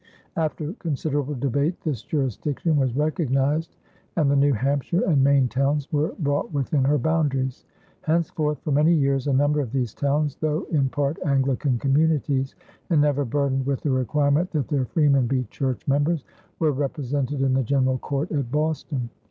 After considerable debate this jurisdiction was recognized and the New Hampshire and Maine towns were brought within her boundaries. Henceforth, for many years a number of these towns, though in part Anglican communities and never burdened with the requirement that their freemen be church members, were represented in the general court at Boston.